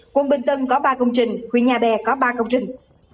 quận bình tân có ba công trình huyện nhà bè có ba công trình